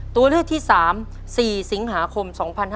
ตัวเลือกที่๓๔สิงหาคม๒๕๕๙